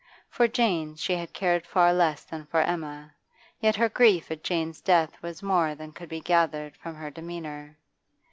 For Jane she had cared far less than for Emma, yet her grief at Jane's death was more than could be gathered from her demeanour.